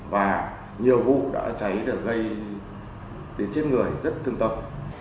và nhiều vụ đã cháy được gây đến chết người rất thương tâm